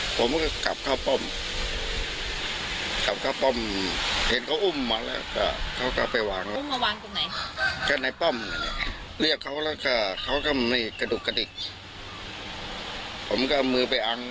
ผมก็กลับเข้าป้อมกลับเข้าป้อมเห็นเขาอุ้มมาแล้วก็เขาก็ไปวางแล้ว